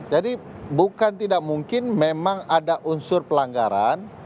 jadi bukan tidak mungkin memang ada unsur pelanggaran